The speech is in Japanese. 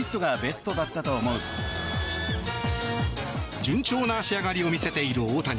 順調な仕上がりを見せている大谷。